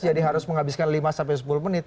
jadi harus menghabiskan lima sampai sepuluh menit